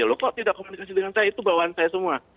loh kok tidak komunikasi dengan saya itu bawaan saya semua